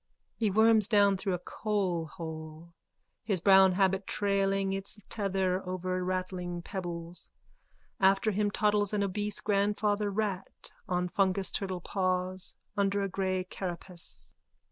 _(He worms down through a coalhole, his brown habit trailing its tether over rattling pebbles. After him toddles an obese grandfather rat on fungus turtle paws under a grey carapace.